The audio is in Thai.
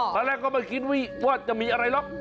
ตอนแรกก็ไม่คิดว่าจะมีอะไรหรอก